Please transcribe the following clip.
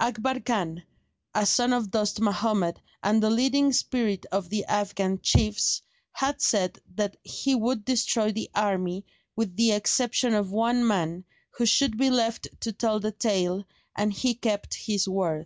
Akbar Khan, a son of Dost Mahomed and the leading spirit of the Afghan chiefs, had said that he would destroy the army with the exception of one man who should be left to tell the tale, and he kept his word.